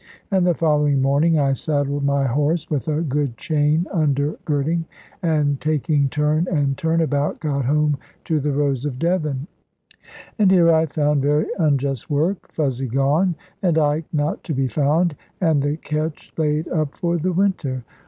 And the following morning I saddled my horse, with a good chain undergirding, and taking turn and turn about, got home to the Rose of Devon. And here I found very unjust work, Fuzzy gone, and Ike not to be found, and the ketch laid up for the winter.